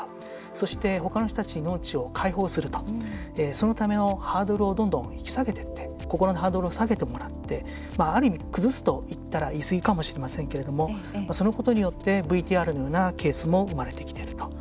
そして、ほかの人たちに農地を開放するとそのためのハードルを引き下げていって心のハードルを下げていって崩すといったら言い過ぎかもしれませんけどそのことによってＶＴＲのようなケースも生まれてきていると。